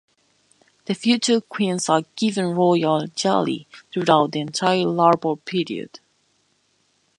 The future queens are given royal jelly throughout the entire larval period.